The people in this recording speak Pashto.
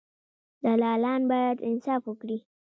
دلالان باید انصاف وکړي.